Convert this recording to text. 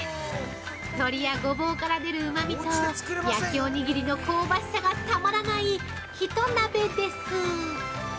鶏やごぼうから出るうまみと焼きおにぎりの香ばしさがたまらない、ひと鍋です。